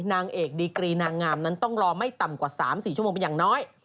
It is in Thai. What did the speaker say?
นางเอกดีกรีนางงามนั้นต้องรอไม่ต่ำกว่า๓๔ชั่วโมงเป็นอย่างน้อย